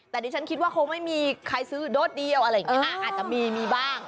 แต่ดิฉันคิดว่าคงไม่มีใครซื้อโดสเดียวอะไรอย่างนี้อาจจะมีมีบ้าง